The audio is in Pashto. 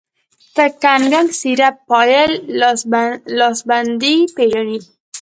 ته کنګڼ ،سيره، پايل، لاسبندي پيژنې